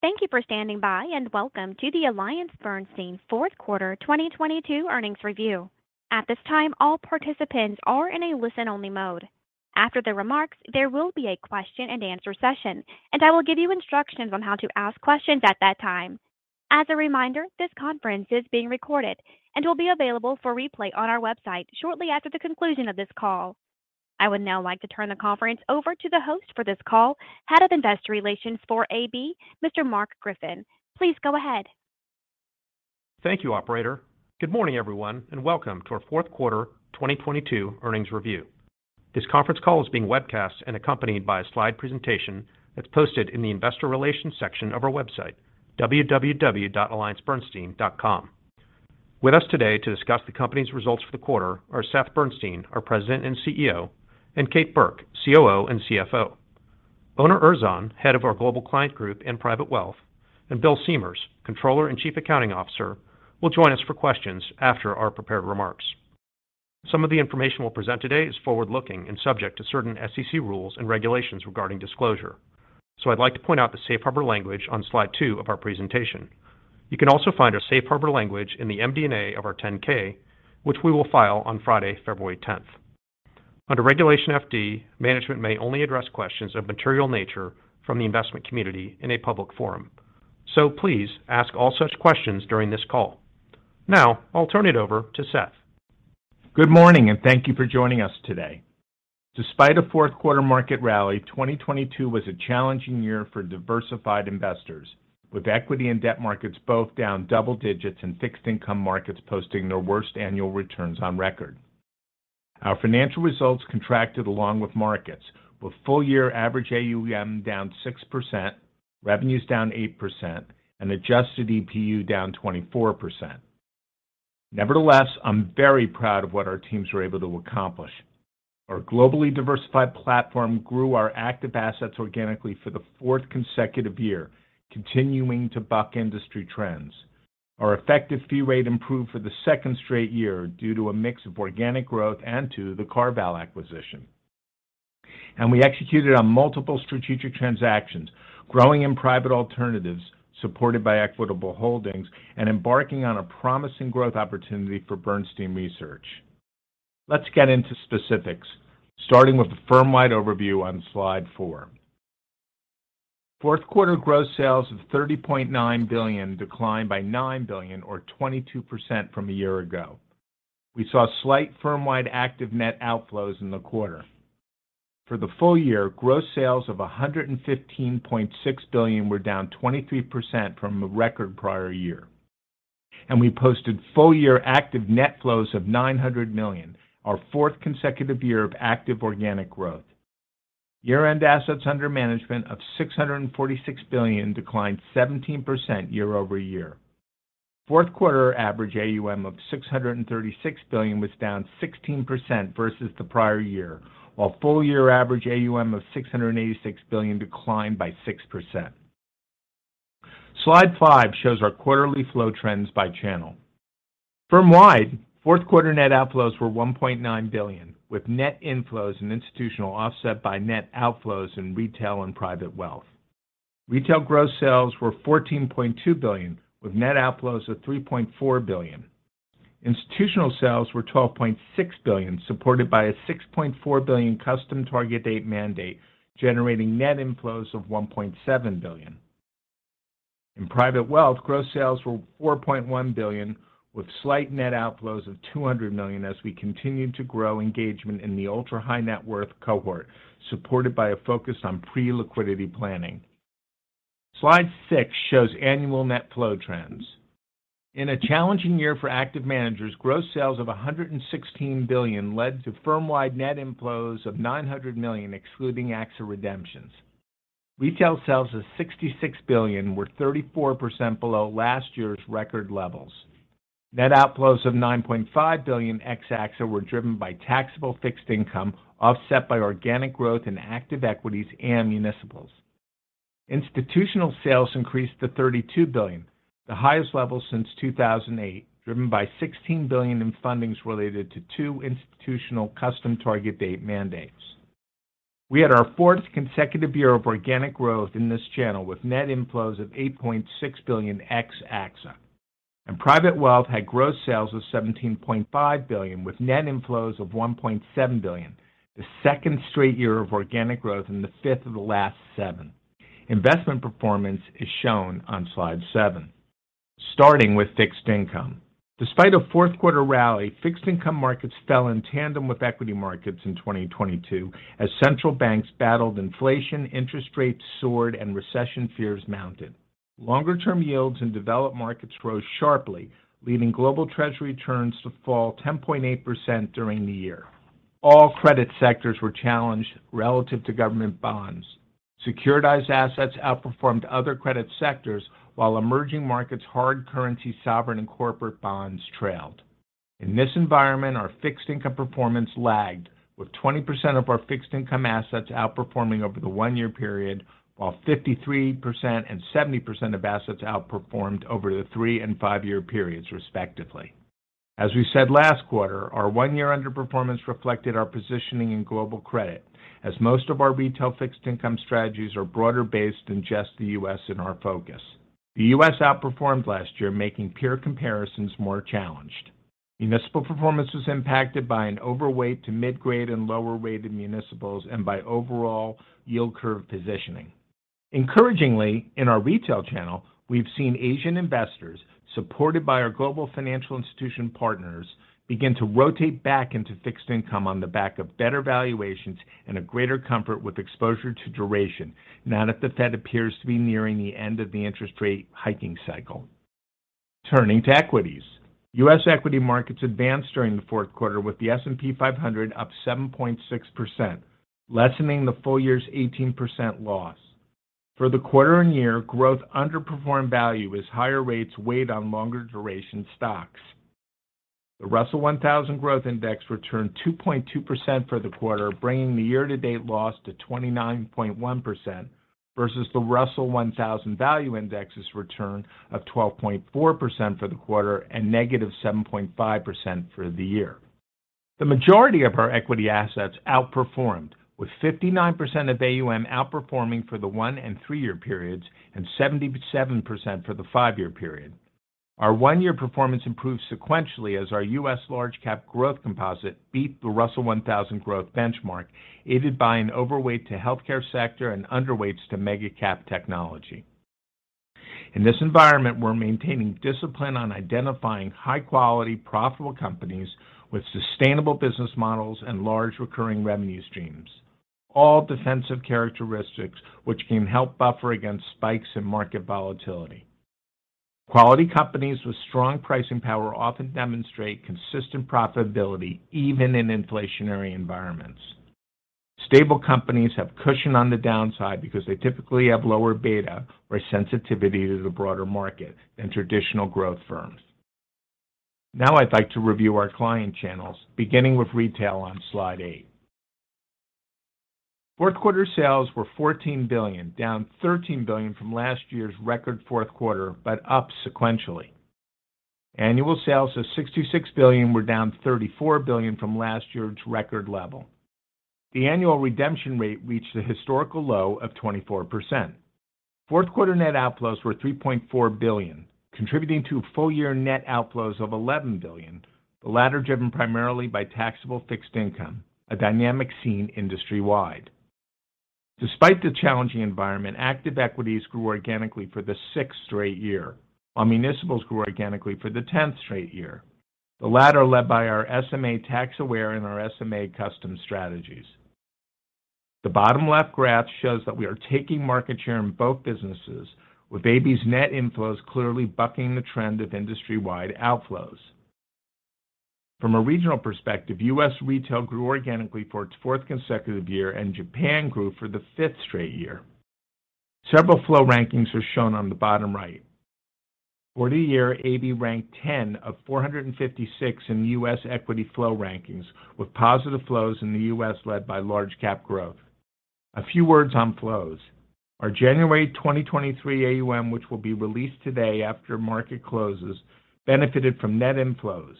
Thank you for standing by. Welcome to the AllianceBernstein fourth quarter 2022 earnings review. At this time, all participants are in a listen-only mode. After the remarks, there will be a question-and-answer session. I will give you instructions on how to ask questions at that time. As a reminder, this conference is being recorded and will be available for replay on our website shortly after the conclusion of this call. I would now like to turn the conference over to the host for this call, Head of Investor Relations for AB, Mr. Mark Griffin. Please go ahead. Thank you, operator. Good morning, everyone, and welcome to our fourth quarter 2022 earnings review. This conference call is being webcast and accompanied by a slide presentation that's posted in the investor relations section of our website, www.alliancebernstein.com. With us today to discuss the company's results for the quarter are Seth Bernstein, our President and CEO, and Kate Burke, COO and CFO. Onur Erzan, Head of our Global Client Group and Private Wealth, and Bill Siemers, Controller and Chief Accounting Officer, will join us for questions after our prepared remarks. Some of the information we'll present today is forward-looking and subject to certain SEC rules and regulations regarding disclosure. I'd like to point out the safe harbor language on slide 2 of our presentation. You can also find our safe harbor language in the MD&A of our 10-K, which we will file on Friday, February 10th. Under Regulation FD, management may only address questions of material nature from the investment community in a public forum. Please ask all such questions during this call. Now I'll turn it over to Seth. Good morning, and thank you for joining us today. Despite a fourth-quarter market rally, 2022 was a challenging year for diversified investors, with equity and debt markets both down double digits and fixed income markets posting their worst annual returns on record. Our financial results contracted along with markets, with full-year average AUM down 6%, revenues down 8%, and adjusted EPU down 24%. Nevertheless, I'm very proud of what our teams were able to accomplish. Our globally diversified platform grew our active assets organically for the fourth consecutive year, continuing to buck industry trends. Our effective fee rate improved for the second straight year due to a mix of organic growth and to the CarVal acquisition. We executed on multiple strategic transactions, growing in private alternatives supported by Equitable Holdings and embarking on a promising growth opportunity for Bernstein Research. Let's get into specifics, starting with the firm-wide overview on Slide four. Fourth quarter gross sales of $30.9 billion declined by $9 billion or 22% from a year ago. We saw slight firm-wide active net outflows in the quarter. For the full year, gross sales of $115.6 billion were down 23% from a record prior year. We posted full-year active net flows of $900 million, our fourth consecutive year of active organic growth. Year-end assets under management of $646 billion declined 17% year-over-year. Fourth quarter average AUM of $636 billion was down 16% versus the prior year, while full-year average AUM of $686 billion declined by 6%. Slide five shows our quarterly flow trends by channel. Firm-wide, fourth quarter net outflows were $1.9 billion, with net inflows in institutional offset by net outflows in retail and private wealth. Retail gross sales were $14.2 billion, with net outflows of $3.4 billion. Institutional sales were $12.6 billion, supported by a $6.4 billion custom target date mandate, generating net inflows of $1.7 billion. In private wealth, gross sales were $4.1 billion, with slight net outflows of $200 million as we continued to grow engagement in the ultra-high net worth cohort, supported by a focus on pre-liquidity planning. Slide 6 shows annual net flow trends. In a challenging year for active managers, gross sales of $116 billion led to firm-wide net inflows of $900 million excluding AXA redemptions. Retail sales of $66 billion were 34% below last year's record levels. Net outflows of $9.5 billion ex AXA were driven by taxable fixed income, offset by organic growth in active equities and municipals. Institutional sales increased to $32 billion, the highest level since 2008, driven by $16 billion in fundings related to 2 institutional custom target date mandates. We had our fourth consecutive year of organic growth in this channel, with net inflows of $8.6 billion ex AXA. Private Wealth had gross sales of $17.5 billion with net inflows of $1.7 billion, the second straight year of organic growth and the fifth of the last 7. Investment performance is shown on slide 7. Starting with fixed income. Despite a fourth-quarter rally, fixed-income markets fell in tandem with equity markets in 2022 as central banks battled inflation, interest rates soared, and recession fears mounted. Longer-term yields in developed markets rose sharply, leading global treasury returns to fall 10.8% during the year. All credit sectors were challenged relative to government bonds. Securitized assets outperformed other credit sectors while emerging markets hard currency, sovereign, and corporate bonds trailed. In this environment, our fixed income performance lagged, with 20% of our fixed income assets outperforming over the 1-year period, while 53% and 70% of assets outperformed over the 3 and 5-year periods, respectively. As we said last quarter, our 1-year underperformance reflected our positioning in global credit as most of our retail fixed income strategies are broader-based than just the U.S. in our focus. The U.S. outperformed last year, making peer comparisons more challenged. Municipal performance was impacted by an overweight to mid-grade and lower-rated municipals and by overall yield curve positioning. Encouragingly, in our retail channel, we've seen Asian investors, supported by our global financial institution partners, begin to rotate back into fixed income on the back of better valuations and a greater comfort with exposure to duration now that the Fed appears to be nearing the end of the interest rate hiking cycle. Turning to equities. U.S. equity markets advanced during the fourth quarter with the S&P 500 up 7.6%, lessening the full year's 18% loss. For the quarter and year, growth underperformed value as higher rates weighed on longer duration stocks. The Russell 1000 Growth Index returned 2.2% for the quarter, bringing the year-to-date loss to 29.1% versus the Russell 1000 Value Index's return of 12.4% for the quarter and -7.5% for the year. The majority of our equity assets outperformed, with 59% of AUM outperforming for the 1 and 3-year periods and 77% for the 5-year period. Our 1-year performance improved sequentially as our US large cap growth composite beat the Russell 1000 Growth Index, aided by an overweight to healthcare sector and underweights to mega cap technology. In this environment, we're maintaining discipline on identifying high-quality, profitable companies with sustainable business models and large recurring revenue streams, all defensive characteristics which can help buffer against spikes in market volatility. Quality companies with strong pricing power often demonstrate consistent profitability even in inflationary environments. Stable companies have cushion on the downside because they typically have lower beta or sensitivity to the broader market than traditional growth firms. I'd like to review our client channels, beginning with retail on slide 8. Fourth quarter sales were $14 billion, down $13 billion from last year's record fourth quarter, but up sequentially. Annual sales of $66 billion were down $34 billion from last year's record level. The annual redemption rate reached a historical low of 24%. Fourth quarter net outflows were $3.4 billion, contributing to full-year net outflows of $11 billion, the latter driven primarily by taxable fixed income, a dynamic seen industry-wide. Despite the challenging environment, active equities grew organically for the 6th straight year, while municipals grew organically for the 10th straight year. The latter led by our SMA Tax-Aware and our SMA Custom strategies. The bottom-left graph shows that we are taking market share in both businesses, with AB's net inflows clearly bucking the trend of industry-wide outflows. From a regional perspective, US retail grew organically for its 4th consecutive year, and Japan grew for the 5th straight year. Several flow rankings are shown on the bottom right. For the year, AB ranked 10 of 456 in U.S. equity flow rankings, with positive flows in the U.S. led by large cap growth. A few words on flows. Our January 2023 AUM, which will be released today after market closes, benefited from net inflows.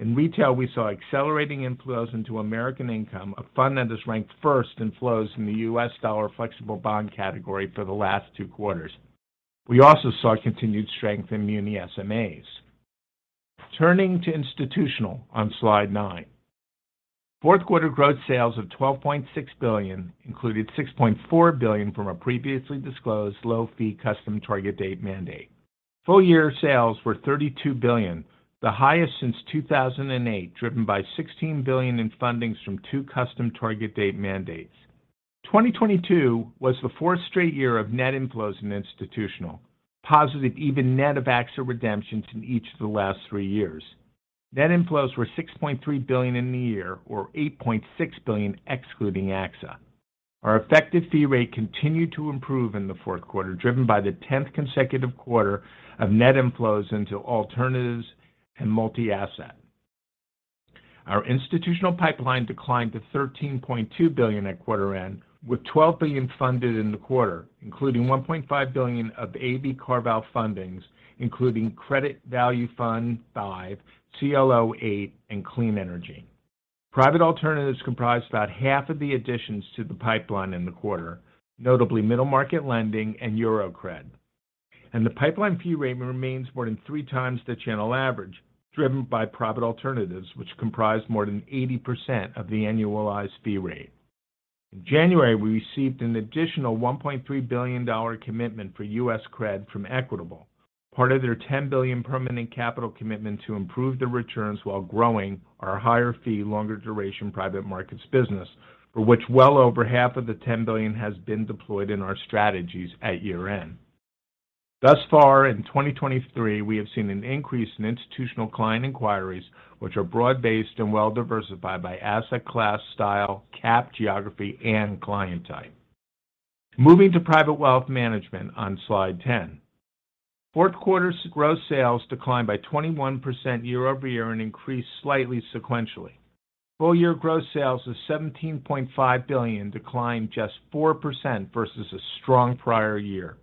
In retail, we saw accelerating inflows into American Income, a fund that is ranked first in flows in the U.S. dollar flexible bond category for the last two quarters. We also saw continued strength in muni SMAs. Turning to institutional on slide nine. Fourth quarter gross sales of $12.6 billion included $6.4 billion from a previously disclosed low-fee custom target date mandate. Full-year sales were $32 billion, the highest since 2008, driven by $16 billion in fundings from two custom target date mandates. 2022 was the fourth straight year of net inflows in institutional, positive even net of AXA redemptions in each of the last 3 years. Net inflows were $6.3 billion in the year or $8.6 billion excluding AXA. Our effective fee rate continued to improve in the fourth quarter, driven by the tenth consecutive quarter of net inflows into alternatives and multi-asset. Our institutional pipeline declined to $13.2 billion at quarter end, with $12 billion funded in the quarter, including $1.5 billion of AB carve-out fundings, including Credit Value Fund V, CLO 8, and Clean Energy. Private alternatives comprised about half of the additions to the pipeline in the quarter, notably middle market lending and Euro CRED. The pipeline fee rate remains more than 3 times the channel average, driven by private alternatives, which comprised more than 80% of the annualized fee rate. In January, we received an additional $1.3 billion commitment for US CRED from Equitable, part of their $10 billion permanent capital commitment to improve the returns while growing our higher-fee, longer-duration private markets business, for which well over half of the $10 billion has been deployed in our strategies at year-end. In 2023, we have seen an increase in institutional client inquiries, which are broad-based and well-diversified by asset class, style, cap, geography, and client type. Moving to private wealth management on slide 10. Fourth quarter gross sales declined by 21% year-over-year and increased slightly sequentially. Full year gross sales of $17.5 billion declined just 4% versus a strong prior year,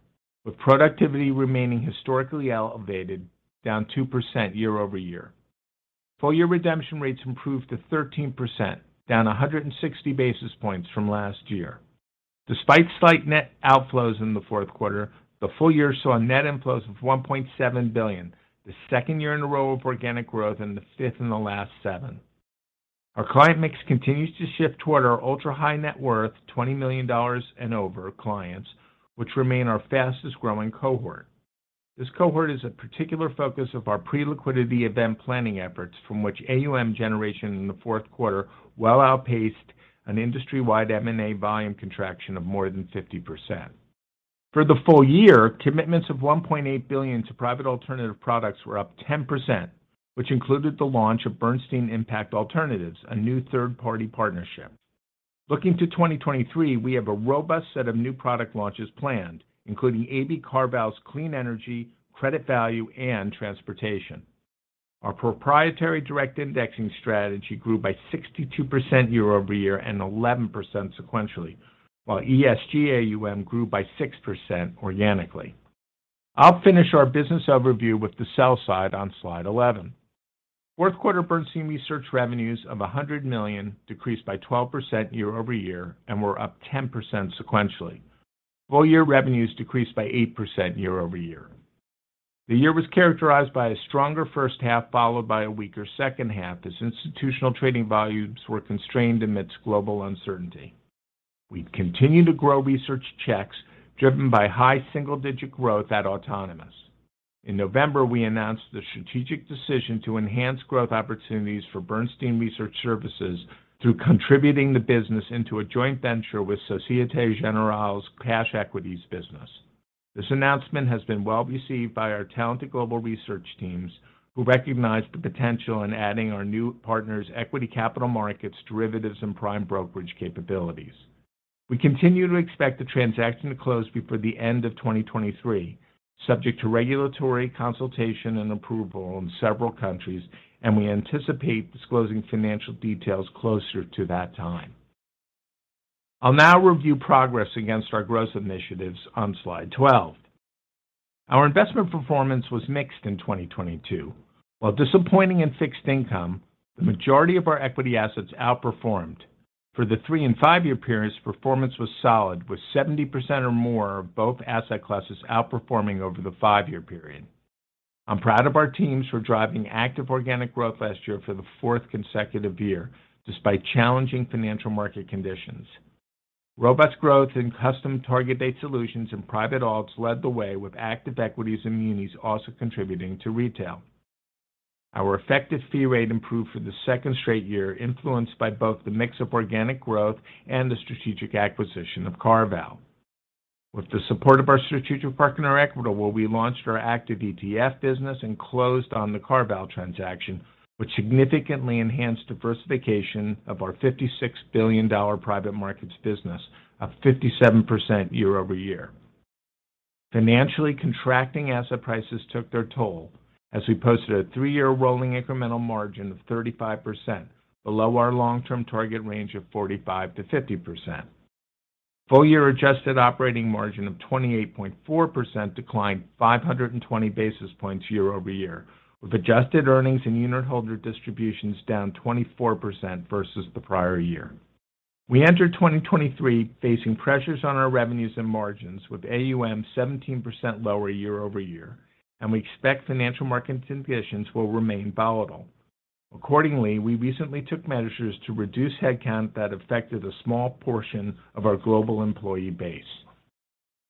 with productivity remaining historically elevated, down 2% year-over-year. Full year redemption rates improved to 13%, down 160 basis points from last year. Despite slight net outflows in the fourth quarter, the full year saw net inflows of $1.7 billion, the second year in a row of organic growth and the fifth in the last seven. Our client mix continues to shift toward our ultra-high net worth, $20 million and over clients, which remain our fastest-growing cohort. This cohort is a particular focus of our pre-liquidity event planning efforts from which AUM generation in the fourth quarter well outpaced an industry-wide M&A volume contraction of more than 50%. For the full year, commitments of $1.8 billion to private alternative products were up 10%, which included the launch of Bernstein Impact Alternatives, a new third-party partnership. Looking to 2023, we have a robust set of new product launches planned, including AB CarVal's clean energy, credit value, and transportation. Our proprietary direct indexing strategy grew by 62% year-over-year and 11% sequentially, while ESG AUM grew by 6% organically. I'll finish our business overview with the sell-side on slide 11. Fourth quarter Bernstein Research revenues of $100 million decreased by 12% year-over-year and were up 10% sequentially. Full year revenues decreased by 8% year-over-year. The year was characterized by a stronger first half followed by a weaker second half as institutional trading volumes were constrained amidst global uncertainty. We continue to grow research checks driven by high single-digit growth at Autonomous. In November, we announced the strategic decision to enhance growth opportunities for Bernstein Research Services through contributing the business into a joint venture with Societe Generale's cash equities business. This announcement has been well received by our talented global research teams who recognize the potential in adding our new partner's equity capital markets, derivatives, and prime brokerage capabilities. We continue to expect the transaction to close before the end of 2023, subject to regulatory consultation and approval in several countries, and we anticipate disclosing financial details closer to that time. I'll now review progress against our growth initiatives on slide 12. Our investment performance was mixed in 2022. While disappointing in fixed income, the majority of our equity assets outperformed. For the 3- and 5-year periods, performance was solid, with 70% or more of both asset classes outperforming over the five-year period. I'm proud of our teams for driving active organic growth last year for the fourth consecutive year, despite challenging financial market conditions. Robust growth in custom target date solutions and private alts led the way, with active equities and munis also contributing to retail. Our effective fee rate improved for the second straight year, influenced by both the mix of organic growth and the strategic acquisition of CarVal. With the support of our strategic partner, Equitable, we launched our active ETF business and closed on the CarVal transaction, which significantly enhanced diversification of our $56 billion private markets business, up 57% year-over-year. Financially, contracting asset prices took their toll as we posted a three-year rolling incremental margin of 35%, below our long-term target range of 45%-50%. Full year adjusted operating margin of 28.4% declined 520 basis points year-over-year, with adjusted earnings in unitholder distributions down 24% versus the prior year. We entered 2023 facing pressures on our revenues and margins, with AUM 17% lower year-over-year. We expect financial market conditions will remain volatile. Accordingly, we recently took measures to reduce headcount that affected a small portion of our global employee base.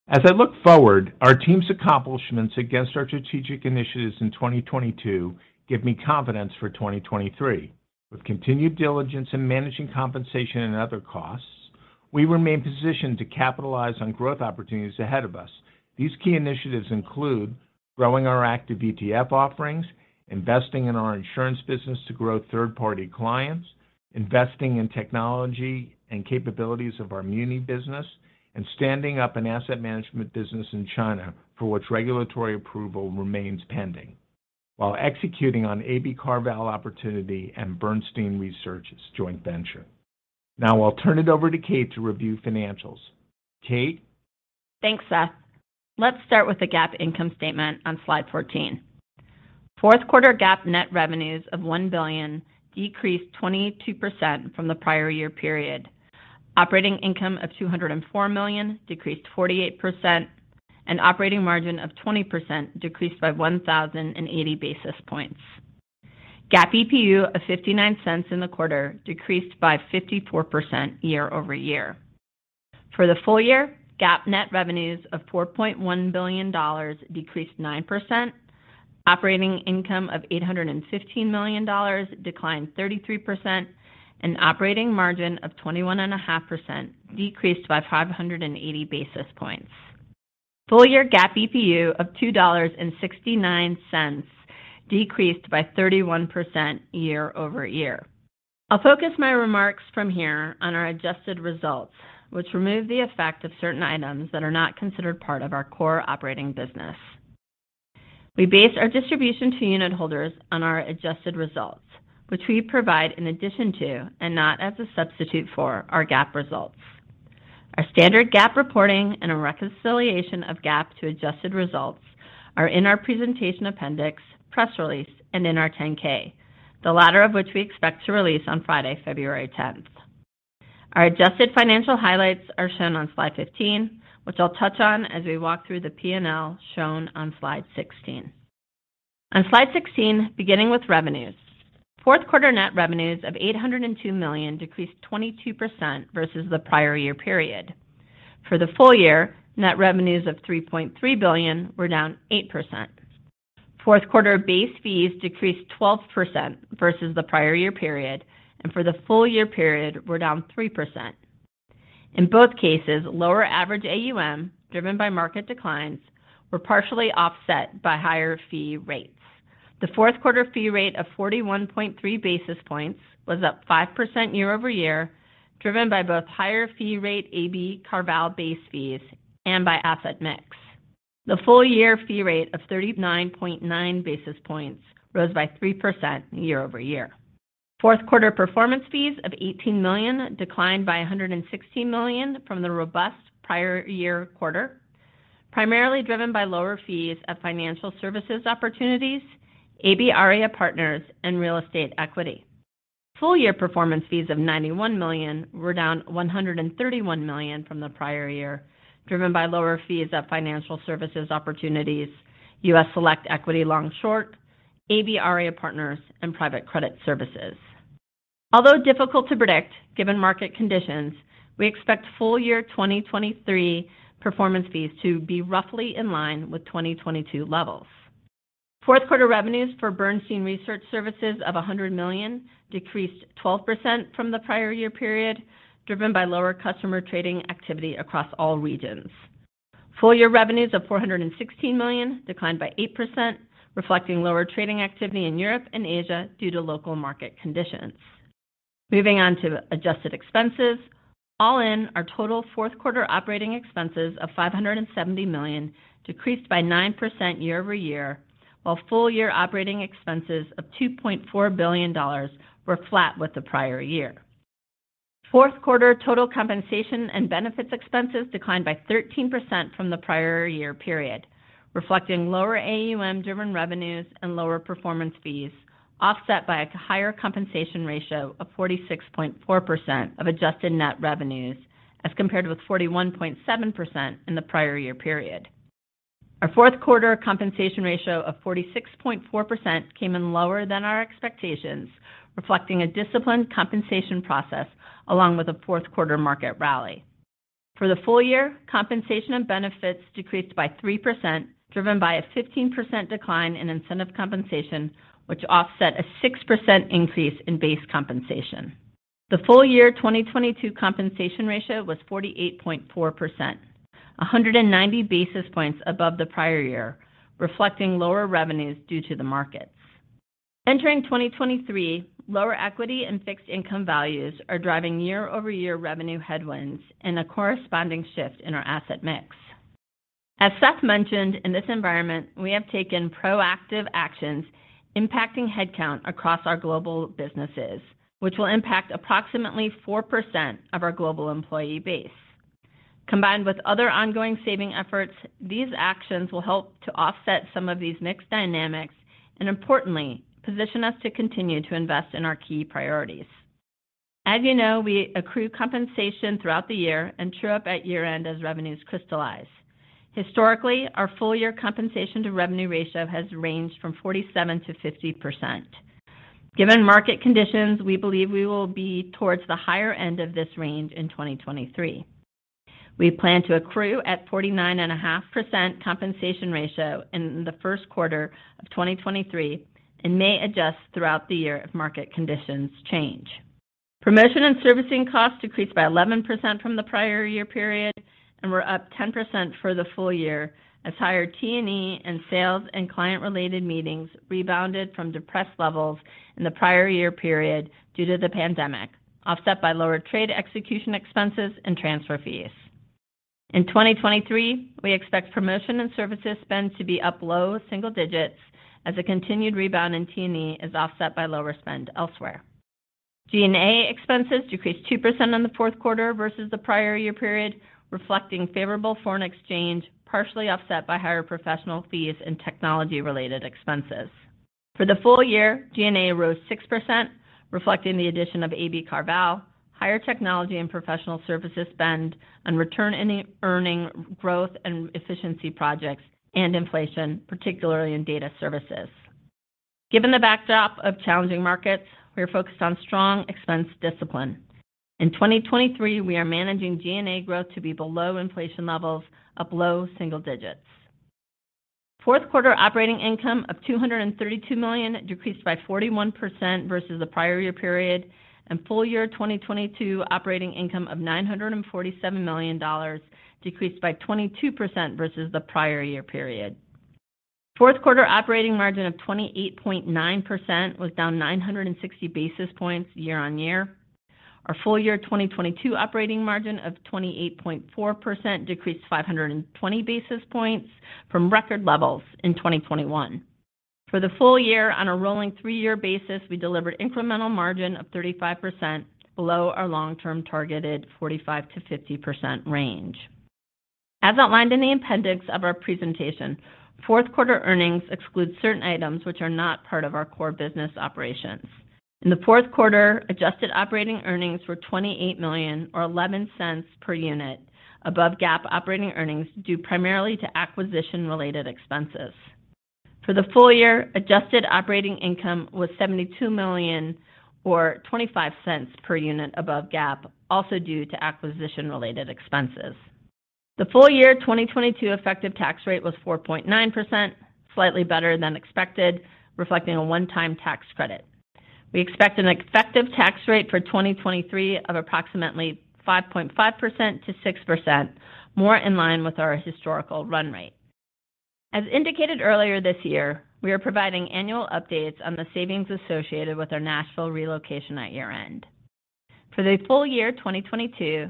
As I look forward, our team's accomplishments against our strategic initiatives in 2022 give me confidence for 2023. With continued diligence in managing compensation and other costs, we remain positioned to capitalize on growth opportunities ahead of us. These key initiatives include growing our active ETF offerings, investing in our insurance business to grow third-party clients, investing in technology and capabilities of our muni business, and standing up an asset management business in China for which regulatory approval remains pending, while executing on AB CarVal opportunity and Bernstein Research's joint venture. I'll turn it over to Kate to review financials. Kate? Thanks, Seth. Let's start with the GAAP income statement on slide 14. Fourth quarter GAAP net revenues of $1 billion decreased 22% from the prior year period. Operating income of $204 million decreased 48%, and operating margin of 20% decreased by 1,080 basis points. GAAP EPU of $0.59 in the quarter decreased by 54% year-over-year. For the full year, GAAP net revenues of $4.1 billion decreased 9%. Operating income of $815 million declined 33%, and operating margin of 21.5% decreased by 580 basis points. Full year GAAP EPU of $2.69 decreased by 31% year-over-year. I'll focus my remarks from here on our adjusted results, which remove the effect of certain items that are not considered part of our core operating business. We base our distribution to unit holders on our adjusted results, which we provide in addition to and not as a substitute for our GAAP results. Our standard GAAP reporting and a reconciliation of GAAP to adjusted results are in our presentation appendix, press release and in our 10-K. The latter of which we expect to release on Friday, February 10th. Our adjusted financial highlights are shown on slide 15, which I'll touch on as we walk through the P&L shown on slide 16. On slide 16, beginning with revenues. Fourth quarter net revenues of $802 million decreased 22% versus the prior year period. For the full year, net revenues of $3.3 billion were down 8%. Fourth quarter base fees decreased 12% versus the prior year period. For the full year period, base fees were down 3%. In both cases, lower average AUM driven by market declines were partially offset by higher fee rates. The fourth quarter fee rate of 41.3 basis points was up 5% year over year, driven by both higher fee rate AB CarVal base fees and by asset mix. The full year fee rate of 39.9 basis points rose by 3% year over year. Fourth quarter performance fees of $18 million declined by $160 million from the robust prior year quarter, primarily driven by lower fees of Financial Services Opportunities, AB AREP and real estate equity. Full year performance fees of $91 million were down $131 million from the prior year, driven by lower fees at Financial Services Opportunities, Select US Equity Long/Short, AB Real Estate Partners and private credit services. Although difficult to predict given market conditions, we expect full year 2023 performance fees to be roughly in line with 2022 levels. Fourth quarter revenues for Bernstein Research Services of $100 million decreased 12% from the prior year period, driven by lower customer trading activity across all regions. Full year revenues of $416 million declined by 8%, reflecting lower trading activity in Europe and Asia due to local market conditions. Moving on to adjusted expenses, all in our total fourth quarter operating expenses of $570 million decreased by 9% year-over-year, while full year operating expenses of $2.4 billion were flat with the prior year. Fourth quarter total compensation and benefits expenses declined by 13% from the prior year period, reflecting lower AUM driven revenues and lower performance fees, offset by a higher compensation ratio of 46.4% of adjusted net revenues as compared with 41.7% in the prior year period. Our fourth quarter compensation ratio of 46.4% came in lower than our expectations, reflecting a disciplined compensation process along with a fourth quarter market rally. For the full year, compensation and benefits decreased by 3%, driven by a 15% decline in incentive compensation, which offset a 6% increase in base compensation. The full year 2022 compensation ratio was 48.4%, 190 basis points above the prior year, reflecting lower revenues due to the markets. Entering 2023, lower equity and fixed income values are driving year-over-year revenue headwinds and a corresponding shift in our asset mix. As Seth mentioned, in this environment, we have taken proactive actions impacting headcount across our global businesses, which will impact approximately 4% of our global employee base. Combined with other ongoing saving efforts, these actions will help to offset some of these mixed dynamics and importantly, position us to continue to invest in our key priorities. As you know, we accrue compensation throughout the year and true up at year-end as revenues crystallize. Historically, our full year compensation to revenue ratio has ranged from 47%-50%. Given market conditions, we believe we will be towards the higher end of this range in 2023. We plan to accrue at 49.5% compensation ratio in the first quarter of 2023 and may adjust throughout the year if market conditions change. Promotion and servicing costs decreased by 11% from the prior year period and were up 10% for the full year as higher T&E and sales and client-related meetings rebounded from depressed levels in the prior year period due to the pandemic, offset by lower trade execution expenses and transfer fees. In 2023, we expect promotion and services spend to be up low single digits as a continued rebound in T&E is offset by lower spend elsewhere. G&A expenses decreased 2% in the fourth quarter versus the prior year period, reflecting favorable foreign exchange, partially offset by higher professional fees and technology-related expenses. For the full year, G&A rose 6%, reflecting the addition of AB CarVal, higher technology and professional services spend and return earning growth and efficiency projects and inflation, particularly in data services. Given the backdrop of challenging markets, we are focused on strong expense discipline. In 2023, we are managing G&A growth to be below inflation levels of low single digits. Fourth quarter operating income of $232 million decreased by 41% versus the prior year period, and full year 2022 operating income of $947 million decreased by 22% versus the prior year period. Fourth quarter operating margin of 28.9% was down 960 basis points year-on-year. Our full year 2022 operating margin of 28.4% decreased 520 basis points from record levels in 2021. For the full year on a rolling three-year basis, we delivered incremental margin of 35% below our long-term targeted 45%-50% range. As outlined in the appendix of our presentation, fourth quarter earnings exclude certain items which are not part of our core business operations. In the fourth quarter, adjusted operating earnings were $28 million or $0.11 per unit above GAAP operating earnings, due primarily to acquisition-related expenses. For the full year, adjusted operating income was $72 million or $0.25 per unit above GAAP, also due to acquisition-related expenses. The full year 2022 effective tax rate was 4.9%, slightly better than expected, reflecting a one-time tax credit. We expect an effective tax rate for 2023 of approximately 5.5%-6%, more in line with our historical run rate. As indicated earlier this year, we are providing annual updates on the savings associated with our Nashville relocation at year-end. For the full year 2022,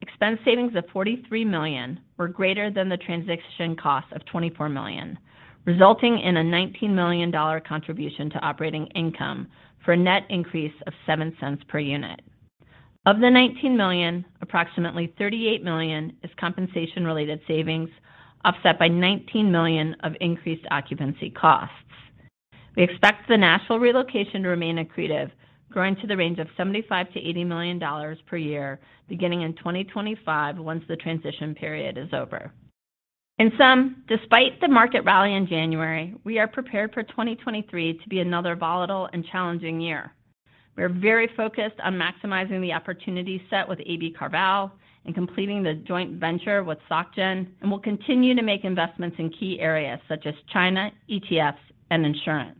expense savings of $43 million were greater than the transition costs of $24 million, resulting in a $19 million contribution to operating income for a net increase of $0.07 per unit. Of the $19 million, approximately $38 million is compensation-related savings, offset by $19 million of increased occupancy costs. We expect the Nashville relocation to remain accretive, growing to the range of $75 million-$80 million per year beginning in 2025 once the transition period is over. In sum, despite the market rally in January, we are prepared for 2023 to be another volatile and challenging year. We are very focused on maximizing the opportunity set with AB CarVal and completing the joint venture with SocGen. We'll continue to make investments in key areas such as China, ETFs and insurance.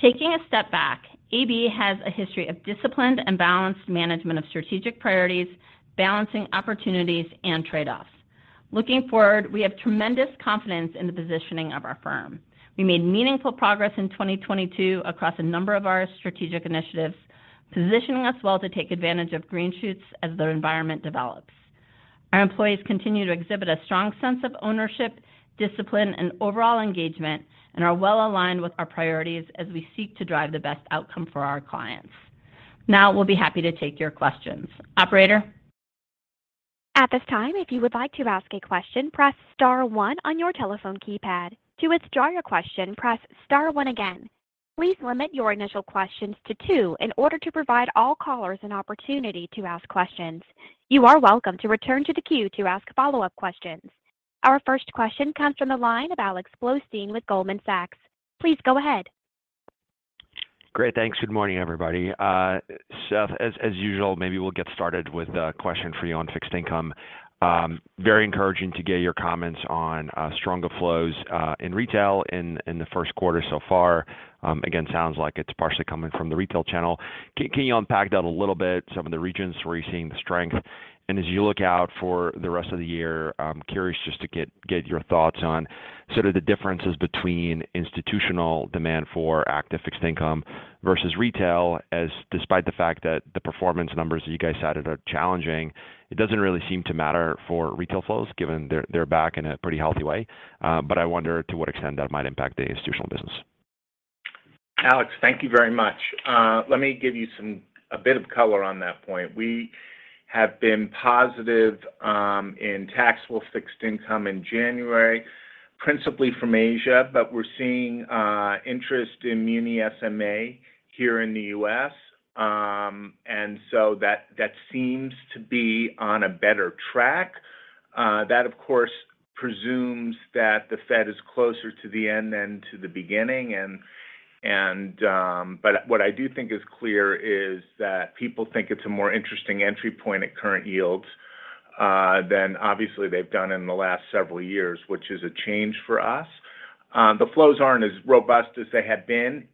Taking a step back, AB has a history of disciplined and balanced management of strategic priorities, balancing opportunities and trade-offs. Looking forward, we have tremendous confidence in the positioning of our firm. We made meaningful progress in 2022 across a number of our strategic initiatives, positioning us well to take advantage of green shoots as the environment develops. Our employees continue to exhibit a strong sense of ownership, discipline and overall engagement, and are well-aligned with our priorities as we seek to drive the best outcome for our clients. Now we'll be happy to take your questions. Operator. At this time, if you would like to ask a question, press star one on your telephone keypad. To withdraw your question, press star one again. Please limit your initial questions to two in order to provide all callers an opportunity to ask questions. You are welcome to return to the queue to ask follow-up questions. Our first question comes from the line of Alex Blostein with Goldman Sachs. Please go ahead. Great. Thanks. Good morning, everybody. Seth, as usual, maybe we'll get started with a question for you on fixed income. Very encouraging to get your comments on stronger flows in retail in the first quarter so far. Again, sounds like it's partially coming from the retail channel. Can you unpack that a little bit, some of the regions where you're seeing the strength? As you look out for the rest of the year, I'm curious just to get your thoughts on sort of the differences between institutional demand for active fixed income versus retail, as despite the fact that the performance numbers you guys cited are challenging, it doesn't really seem to matter for retail flows, given they're back in a pretty healthy way. I wonder to what extent that might impact the institutional business. Alex, thank you very much. Let me give you a bit of color on that point. We have been positive in taxable fixed income in January, principally from Asia, but we're seeing interest in muni SMA here in the U.S. That seems to be on a better track. That, of course, presumes that the Fed is closer to the end than to the beginning. What I do think is clear is that people think it's a more interesting entry point at current yields than obviously they've done in the last several years, which is a change for us. The flows aren't as robust as they had been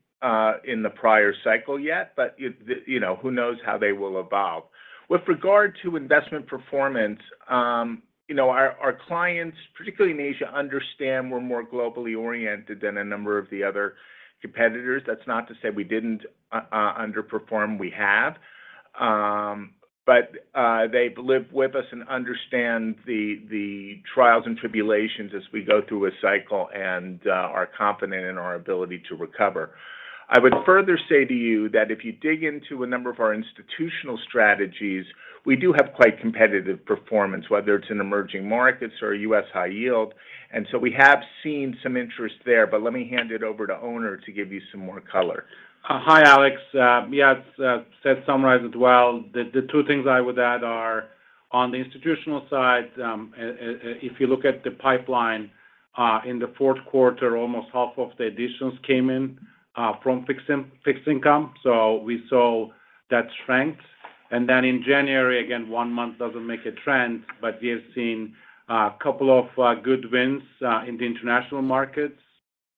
in the prior cycle yet who knows how they will evolve. With regard to investment performance our clients, particularly in Asia, understand we're more globally oriented than a number of the other competitors. That's not to say we didn't underperform. We have. They've lived with us and understand the trials and tribulations as we go through a cycle and are confident in our ability to recover. I would further say to you that if you dig into a number of our institutional strategies, we do have quite competitive performance, whether it's in emerging markets or U.S. high yield, and so we have seen some interest there, but let me hand it over to Onur to give you some more color. Hi, Alex. Yeah, Seth summarized it well. The two things I would add are on the institutional side, if you look at the pipeline, in the fourth quarter, almost half of the additions came in from fixed income. We saw that strength. In January, again, one month doesn't make a trend, but we have seen a couple of good wins in the international markets.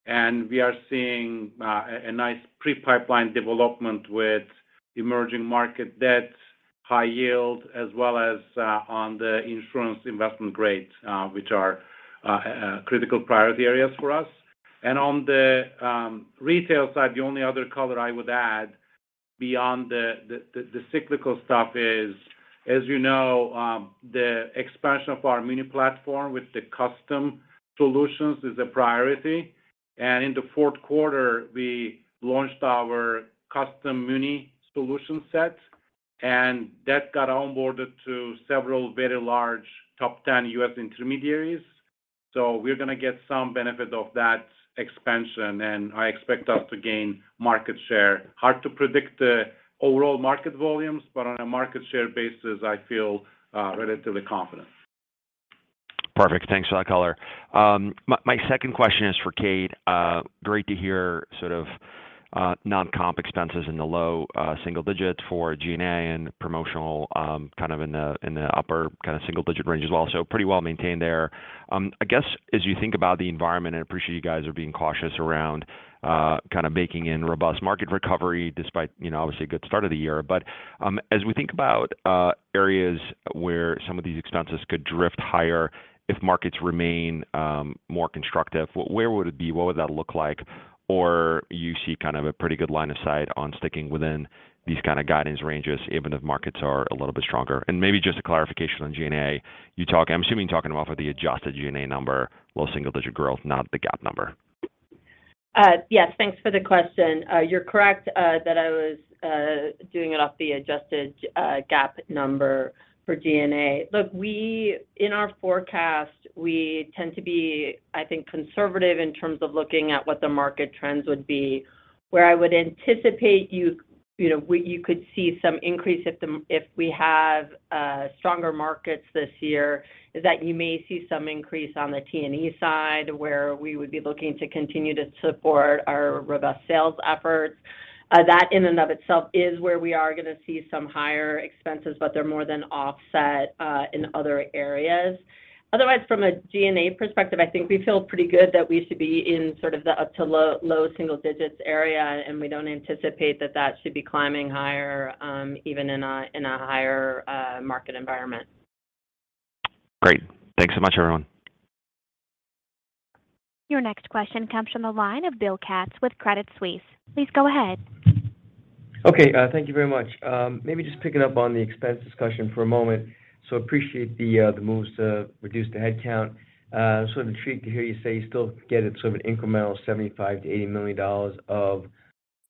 We are seeing a nice pre-pipeline development with emerging market debt, high yield, as well as on the insurance investment grade, which are critical priority areas for us. On the retail side, the only other color I would add beyond the cyclical stuff is, as you know, the expansion of our muni platform with the custom solutions is a priority. In the fourth quarter, we launched our custom muni solution set, and that got onboarded to several very large top 10 U.S. intermediaries. We're gonna get some benefit of that expansion, and I expect us to gain market share. Hard to predict the overall market volumes, but on a market share basis, I feel relatively confident. Perfect. Thanks for that color. My second question is for Kate. Great to hear sort of non-comp expenses in the low single digits for G&A and promotional, kind of in the upper single-digit range as well, so pretty well maintained there. I guess as you think about the environment, I appreciate you guys are being cautious around baking in robust market recovery despite obviously a good start of the year. As we think about areas where some of these expenses could drift higher if markets remain more constructive, where would it be? What would that look like? Or you see kind of a pretty good line of sight on sticking within these kind of guidance ranges, even if markets are a little bit stronger? Maybe just a clarification on G&A. I'm assuming you're talking about for the adjusted G&A number, low single-digit growth, not the GAAP number. Yes, thanks for the question. You're correct, that I was doing it off the adjusted GAAP number for G&A. Look, in our forecast, we tend to be, I think, conservative in terms of looking at what the market trends would be. Where I would anticipate you know, you could see some increase if the if we have a stronger markets this year is that you may see some increase on the T&E side where we would be looking to continue to support our robust sales efforts. That in and of itself is where we are gonna see some higher expenses, but they're more than offset in other areas. Otherwise, from a G&A perspective, I think we feel pretty good that we should be in sort of the up to low single digits area, and we don't anticipate that that should be climbing higher, even in a higher market environment. Great. Thanks so much, everyone. Your next question comes from the line of Bill Katz with Credit Suisse. Please go ahead. Okay, thank you very much. Maybe just picking up on the expense discussion for a moment. Appreciate the moves to reduce the headcount. The treat to hear you say you still get it sort of an incremental $75 million-$80 million of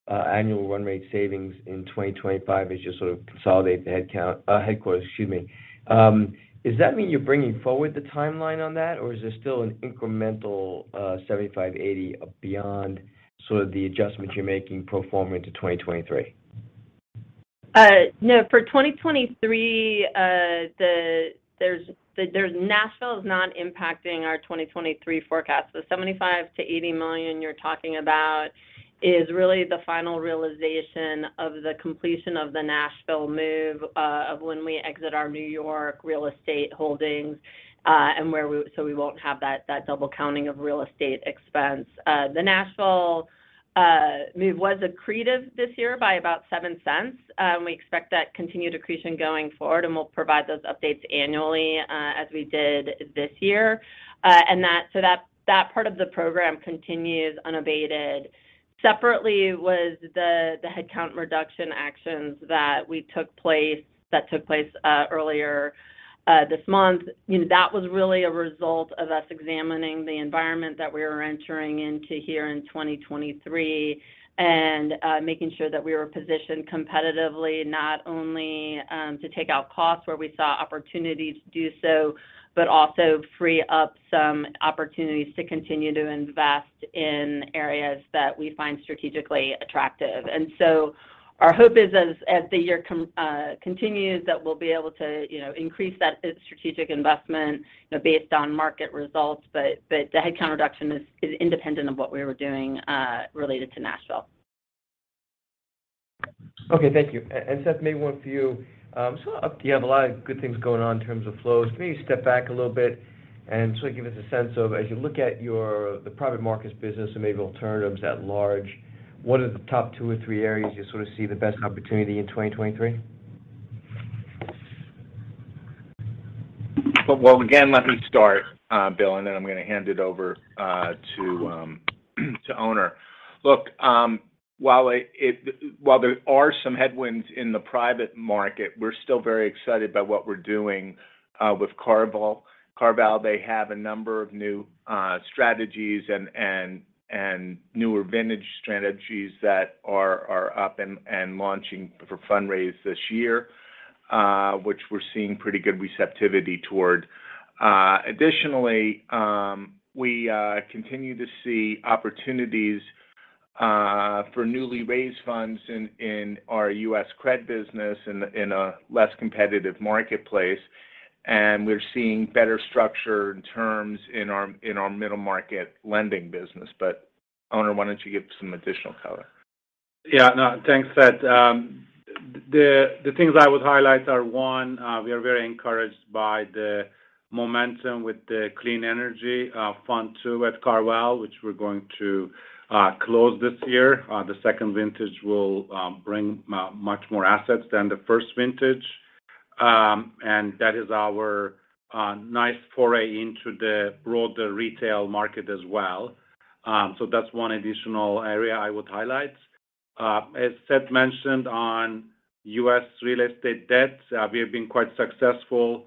annual run rate savings in 2025 is just sort of consolidate the headcount, headquarters, excuse me. Does that mean you're bringing forward the timeline on that, or is there still an incremental $75 million, $80 million beyond sort of the adjustments you're making pro forma into 2023? No. For 2023, Nashville is not impacting our 2023 forecast. The $75 million-$80 million you're talking about is really the final realization of the completion of the Nashville move, of when we exit our New York real estate holdings, so we won't have that double counting of real estate expense. The Nashville move was accretive this year by about $0.07. We expect that continued accretion going forward, and we'll provide those updates annually, as we did this year. That, that part of the program continues unabated. Separately was the headcount reduction actions that took place earlier this month. You know, that was really a result of us examining the environment that we were entering into here in 2023 and making sure that we were positioned competitively not only to take out costs where we saw opportunities to do so, but also free up some opportunities to continue to invest in areas that we find strategically attractive. Our hope is as the year continues, that we'll be able to increase that strategic investment based on market results. The headcount reduction is independent of what we were doing related to Nashville. Okay, thank you. Seth, maybe one for you. You have a lot of good things going on in terms of flows. Maybe step back a little bit and sort of give us a sense of as you look at your the private markets business and maybe alternatives at large, what are the top 2 or 3 areas you sort of see the best opportunity in 2023? Well, again, let me start, Bill, and then I'm gonna hand it over to Onur. Look, while there are some headwinds in the private market, we're still very excited by what we're doing with CarVal. CarVal, they have a number of new strategies and newer vintage strategies that are up and launching for fundraise this year, which we're seeing pretty good receptivity toward. Additionally, we continue to see opportunities for newly raised funds in our US CRED business in a less competitive marketplace. We're seeing better structure and terms in our middle market lending business. Onur, why don't you give some additional color? Yeah. No, thanks, Seth. The things I would highlight are, 1, we are very encouraged by the momentum with the Clean Energy Fund 2 at CarVal, which we're going to close this year. The second vintage will bring much more assets than the first vintage. That is our nice foray into the broader retail market as well. That's one additional area I would highlight. As Seth mentioned on U.S. Real Estate Debt, we have been quite successful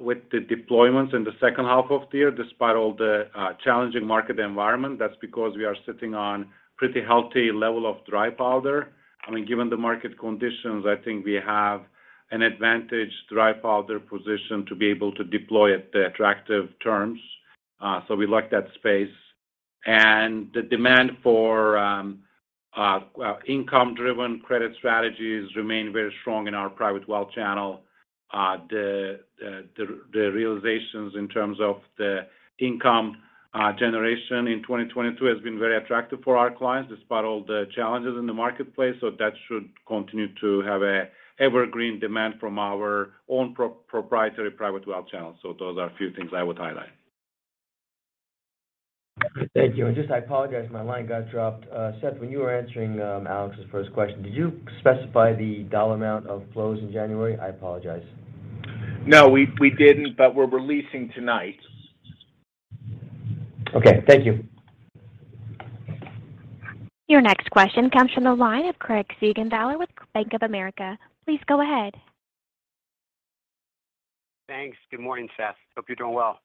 with the deployments in the second half of the year, despite all the challenging market environment. That's because we are sitting on pretty healthy level of dry powder. I mean, given the market conditions, I think we have an advantage dry powder position to be able to deploy at the attractive terms. We like that space. The demand for, well, income-driven credit strategies remain very strong in our private wealth channel. The realizations in terms of the income generation in 2022 has been very attractive for our clients despite all the challenges in the marketplace. That should continue to have a evergreen demand from our own pro-proprietary private wealth channel. Those are a few things I would highlight. Thank you. I apologize, my line got dropped. Seth, when you were answering Alex's first question, did you specify the dollar amount of flows in January? I apologize. we didn't, but we're releasing tonight. Okay. Thank you. Your next question comes from the line of Craig Siegenthaler with Bank of America. Please go ahead. Thanks. Good morning, Seth. Hope you're doing well.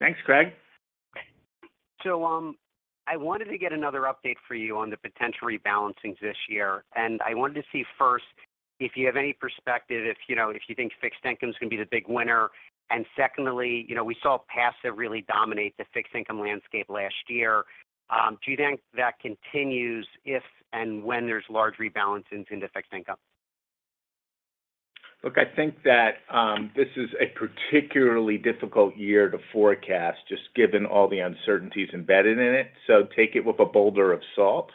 Thanks, Craig. I wanted to get another update for you on the potential rebalancings this year. I wanted to see first if you have any perspective if if you think fixed income is gonna be the big winner. Secondly we saw passive really dominate the fixed income landscape last year. Do you think that continues if and when there's large rebalances into fixed income? Look, I think that, this is a particularly difficult year to forecast, just given all the uncertainties embedded in it, so take it with a boulder of salt.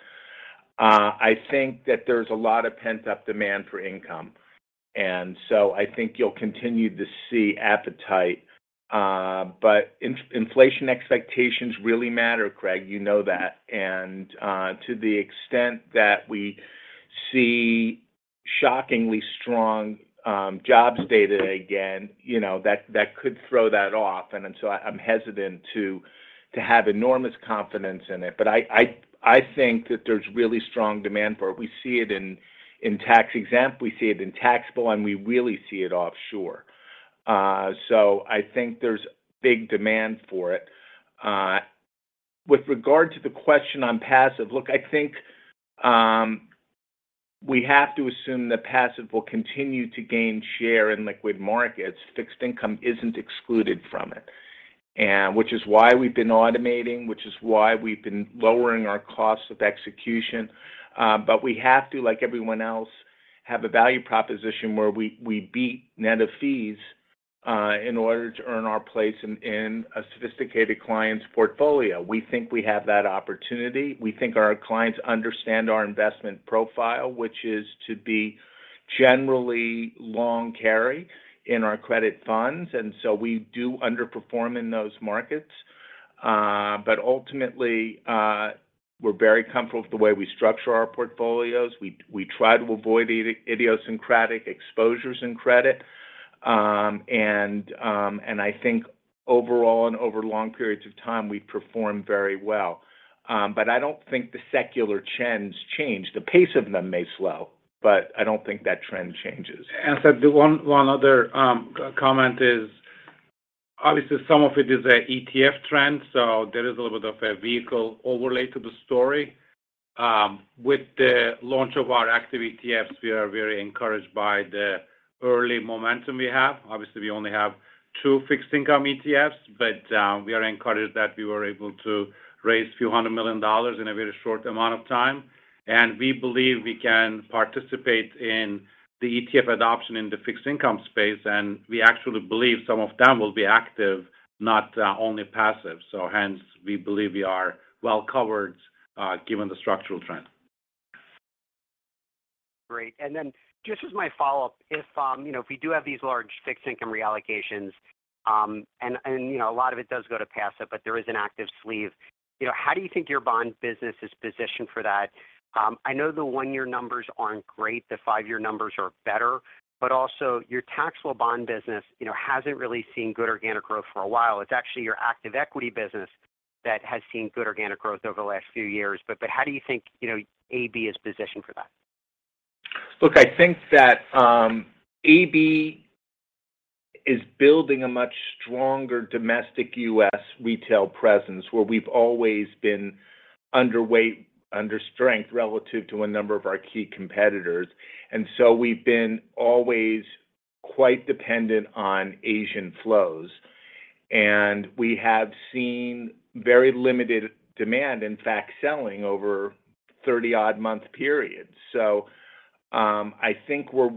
I think that there's a lot of pent-up demand for income, and so I think you'll continue to see appetite. But inflation expectations really matter, Craig. You know that. To the extent that we see shockingly strong, jobs data again that could throw that off. I'm hesitant to have enormous confidence in it. I think that there's really strong demand for it. We see it in tax-exempt, we see it in taxable, and we really see it offshore. I think there's big demand for it. With regard to the question on passive, look, I think, we have to assume that passive will continue to gain share in liquid markets. Fixed income isn't excluded from it, and which is why we've been automating, which is why we've been lowering our costs of execution. We have to, like everyone else, have a value proposition where we beat net of fees, in order to earn our place in a sophisticated client's portfolio. We think we have that opportunity. We think our clients understand our investment profile, which is to be generally long carry in our credit funds, and so we do underperform in those markets. Ultimately, we're very comfortable with the way we structure our portfolios. We try to avoid the idiosyncratic exposures in credit. I think overall and over long periods of time we perform very well. I don't think the secular trends change. The pace of them may slow, but I don't think that trend changes. Seth, the one other comment is obviously some of it is a ETF trend, there is a little bit of a vehicle overlay to the story. With the launch of our active ETFs, we are very encouraged by the early momentum we have. Obviously, we only have two fixed income ETFs, but we are encouraged that we were able to raise a few hundred million dollars in a very short amount of time. We believe we can participate in the ETF adoption in the fixed income space, and we actually believe some of them will be active, not only passive. Hence, we believe we are well covered, given the structural trend. Great. Then just as my follow-up, if if we do have these large fixed income reallocations, and a lot of it does go to passive, but there is an active sleeve how do you think your bond business is positioned for that? I know the 1-year numbers aren't great. The 5-year numbers are better, but also your taxable bond business hasn't really seen good organic growth for a while. It's actually your active equity business that has seen good organic growth over the last few years. How do you think AB is positioned for that? Look, I think that, AB is building a much stronger domestic U.S. retail presence, where we've always been under strength relative to a number of our key competitors. We've been always quite dependent on Asian flows. We have seen very limited demand, in fact, selling over 30-odd month periods. I think we're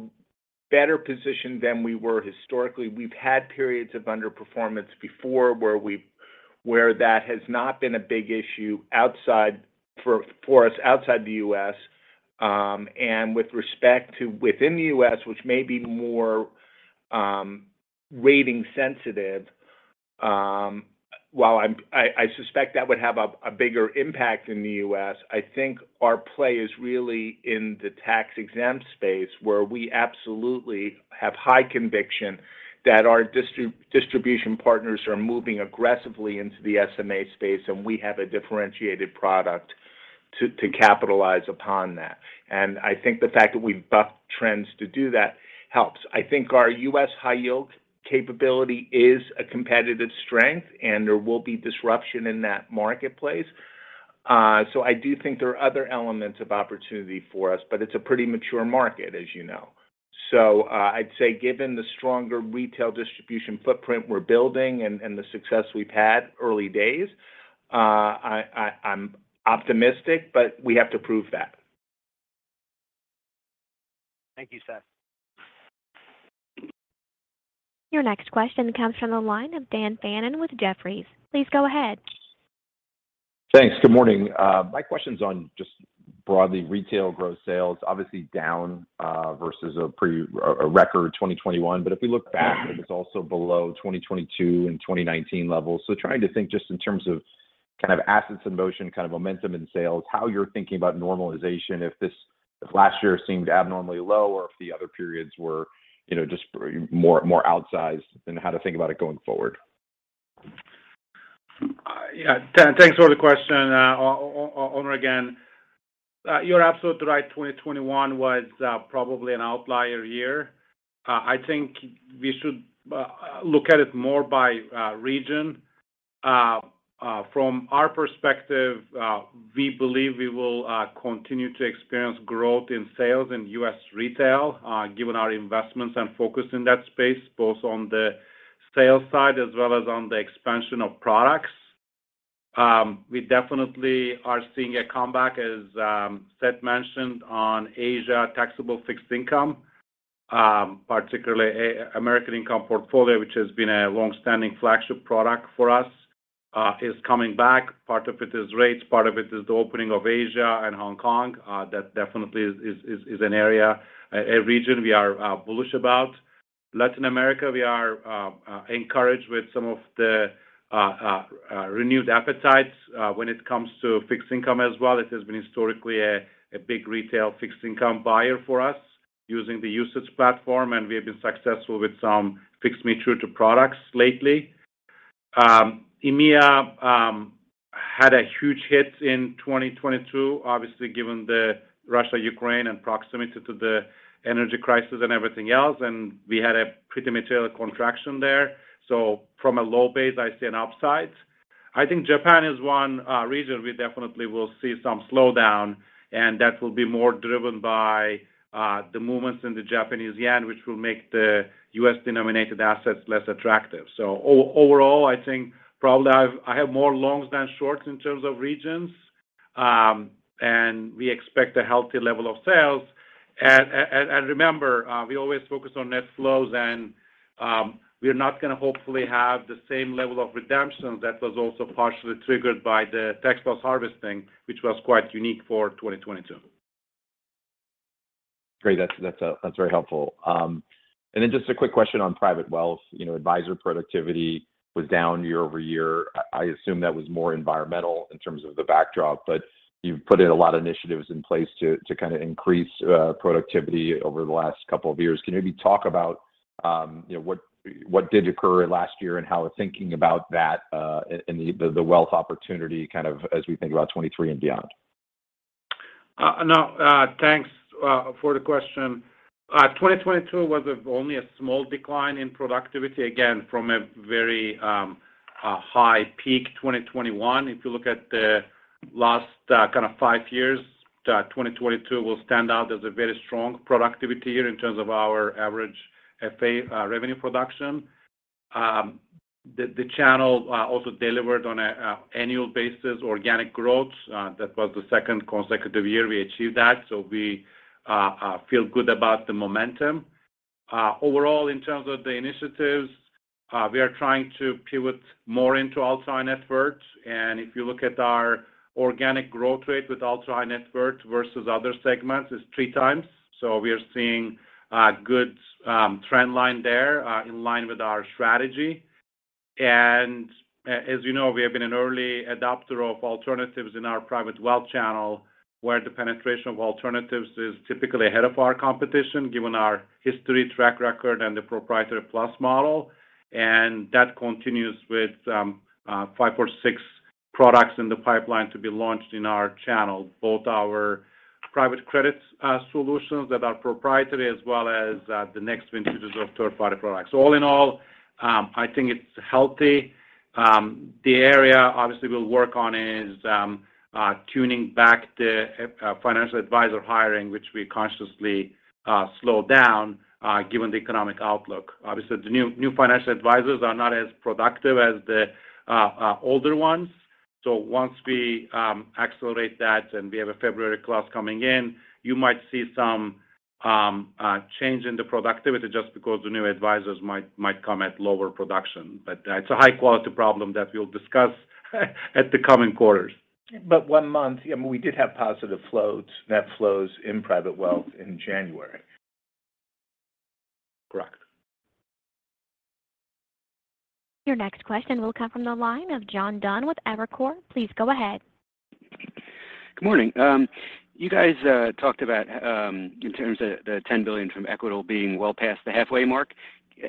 better positioned than we were historically. We've had periods of underperformance before where that has not been a big issue for us outside the U.S. With respect to within the U.S., which may be more, rating sensitive- While I suspect that would have a bigger impact in the U.S., I think our play is really in the tax-exempt space, where we absolutely have high conviction that our distribution partners are moving aggressively into the SMA space, and we have a differentiated product to capitalize upon that. I think the fact that we've bucked trends to do that helps. I think our U.S. high yield capability is a competitive strength, and there will be disruption in that marketplace. I do think there are other elements of opportunity for us, but it's a pretty mature market, as you know. I'd say, given the stronger retail distribution footprint we're building and the success we've had early days, I'm optimistic, but we have to prove that. Thank you, Seth. Your next question comes from the line of Dan Fannon with Jefferies. Please go ahead. Thanks. Good morning. My question's on just broadly retail gross sales. Obviously down versus a record 2021. If we look back, it was also below 2022 and 2019 levels. Trying to think just in terms of kind of assets in motion, kind of momentum in sales, how you're thinking about normalization, if last year seemed abnormally low, or if the other periods were just more outsized in how to think about it going forward? Yeah, Dan, thanks for the question. Onur again. You're absolutely right. 2021 was probably an outlier year. I think we should look at it more by region. From our perspective, we believe we will continue to experience growth in sales in U.S. retail, given our investments and focus in that space, both on the sales side as well as on the expansion of products. We definitely are seeing a comeback, as Seth mentioned, on Asia taxable fixed income, particularly American Income Portfolio, which has been a long-standing flagship product for us, is coming back. Part of it is rates. Part of it is the opening of Asia and Hong Kong. That definitely is an area, a region we are bullish about. Latin America, we are encouraged with some of the renewed appetites when it comes to fixed income as well. It has been historically a big retail fixed income buyer for us using the platform, and we have been successful with some fixed maturity products lately. EMEA had a huge hit in 2022, obviously, given the Russia/Ukraine and proximity to the energy crisis and everything else, and we had a pretty material contraction there. From a low base, I see an upside. I think Japan is one region we definitely will see some slowdown, and that will be more driven by the movements in the Japanese yen, which will make the U.S.-denominated assets less attractive. Overall, I think probably I have more longs than shorts in terms of regions, and we expect a healthy level of sales. Remember, we always focus on net flows, and we're not gonna hopefully have the same level of redemptions that was also partially triggered by the tax-loss harvesting, which was quite unique for 2022. Great. That's very helpful. And then just a quick question on private wealth. You know, advisor productivity was down year-over-year. I assume that was more environmental in terms of the backdrop, but you've put in a lot of initiatives in place to kind of increase productivity over the last couple of years. Can you maybe talk about what did occur last year and how we're thinking about that and the wealth opportunity kind of as we think about 2023 and beyond? No, thanks for the question. 2022 was only a small decline in productivity, again, from a very high peak 2021. If you look at the last kind of 5 years, 2022 will stand out as a very strong productivity year in terms of our average FA revenue production. The channel also delivered on a annual basis organic growth. That was the second consecutive year we achieved that, so we feel good about the momentum. Overall, in terms of the initiatives, we are trying to pivot more into ultra-high net worth. If you look at our organic growth rate with ultra high net worth versus other segments, it's 3 times. We are seeing a good trend line there, in line with our strategy. As you know, we have been an early adopter of alternatives in our private wealth channel, where the penetration of alternatives is typically ahead of our competition, given our history track record and the proprietary plus model. That continues with five or six products in the pipeline to be launched in our channel, both our private credits solutions that are proprietary, as well as the next vintages of third-party products. All in all, I think it's healthy. The area obviously we'll work on is tuning back the financial advisor hiring, which we consciously slowed down given the economic outlook. Obviously, the new financial advisors are not as productive as the older ones. Once we accelerate that, and we have a February class coming in, you might see some change in the productivity just because the new advisors might come at lower production. It's a high-quality problem that we'll discuss at the coming quarters. One month, yeah, we did have positive flows, net flows in private wealth in January. Correct. Your next question will come from the line of John Dunn with Evercore. Please go ahead. Good morning. You guys talked about, in terms of the $10 billion from Equitable being well past the halfway mark.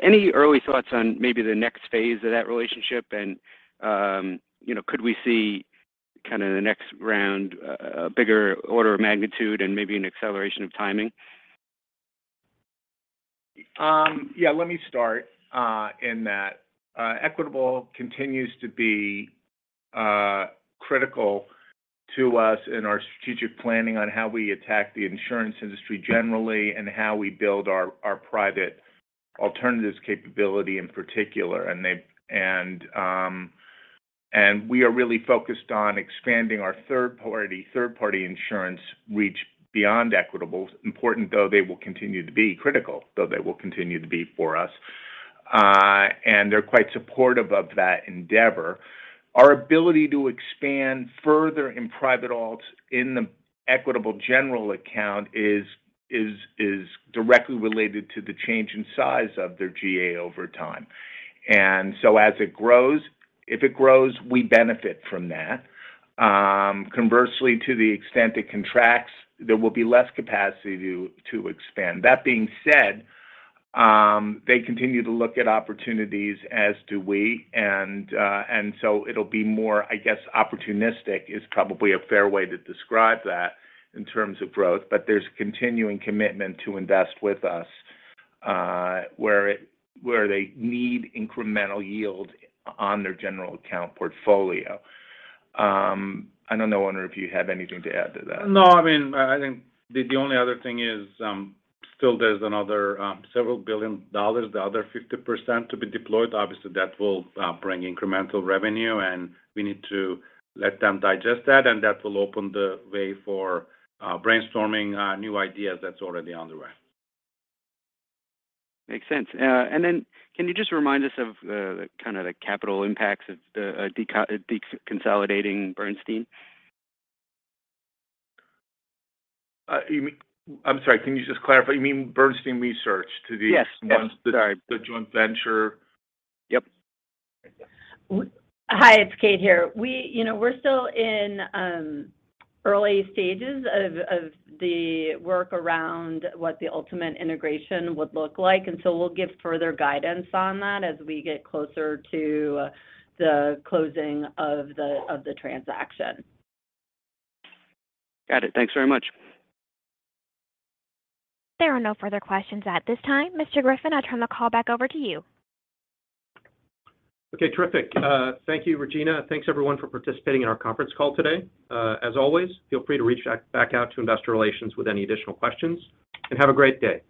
Any early thoughts on maybe the next phase of that relationship and could we see kinda the next round, a bigger order of magnitude and maybe an acceleration of timing? Let me start in that Equitable continues to be critical to us in our strategic planning on how we attack the insurance industry generally and how we build our private alternatives capability in particular. We are really focused on expanding our third-party insurance reach beyond Equitable. Important though they will continue to be critical, though they will continue to be for us. They're quite supportive of that endeavor. Our ability to expand further in private alts in the Equitable general account is directly related to the change in size of their GA over time. As it grows, if it grows, we benefit from that. Conversely to the extent it contracts, there will be less capacity to expand. That being said, they continue to look at opportunities as do we, and so it'll be more, I guess, opportunistic is probably a fair way to describe that in terms of growth. There's continuing commitment to invest with us where they need incremental yield on their general account portfolio. I don't know, Onur, if you have anything to add to that. No, I mean, I think the only other thing is, still there's another, several billion dollars, the other 50% to be deployed. Obviously, that will bring incremental revenue, and we need to let them digest that, and that will open the way for brainstorming new ideas that's already underway. Makes sense. Can you just remind us of the kinda the capital impacts of the deconsolidating Bernstein? I'm sorry, can you just clarify? You mean Bernstein Research to the- Yes. Yes. Sorry. The joint venture. Yep. Hi, it's Kate here. We're still in early stages of the work around what the ultimate integration would look like. We'll give further guidance on that as we get closer to the closing of the transaction. Got it. Thanks very much. There are no further questions at this time. Mr. Griffin, I turn the call back over to you. Okay, terrific. Thank you, Regina. Thanks everyone for participating in our conference call today. As always, feel free to reach back out to investor relations with any additional questions. Have a great day.